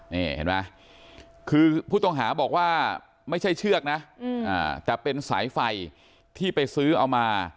นี่เห็นไหมคือผู้ต้องหาบอกว่าไม่ใช่เชือกนะแต่เป็นสายไฟที่ไปซื้อเอามา